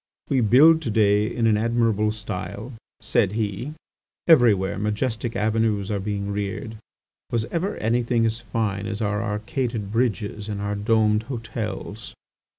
"We build to day in an admirable style," said he; "everywhere majestic avenues are being reared. Was ever anything as fine as our arcaded bridges and our domed hotels!"